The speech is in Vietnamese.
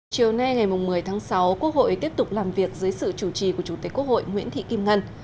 chiều nay ngày một mươi tháng sáu quốc hội tiếp tục làm việc dưới sự chủ trì của chủ tịch quốc hội nguyễn thị kim ngân